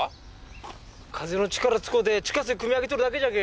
風の力使うて地下水くみ上げとるだけじゃけぇ。